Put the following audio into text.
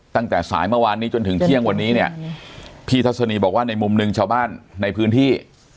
ตั้งแต่สายเมื่อวานนี้จนถึงเที่ยงวันนี้เนี่ยพี่ทัศนีบอกว่าในมุมหนึ่งชาวบ้านในพื้นที่